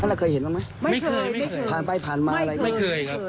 เราเคยเห็นบ้างไหมไม่เคยไม่เคยผ่านไปผ่านมาอะไรไม่เคยครับ